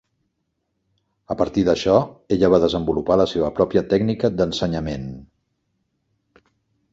A partir d'això, ella va desenvolupar la seva pròpia tècnica d'ensenyament.